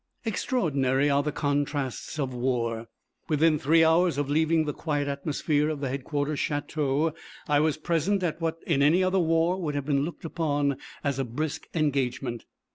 Extraordinary are the contrasts of war. Within three hours of leaving the quiet atmosphere of the Headquarters Château I was present at what in any other war would have been looked upon as a brisk engagement.